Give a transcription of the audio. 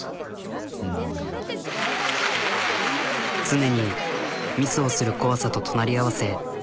常にミスをする怖さと隣り合わせ。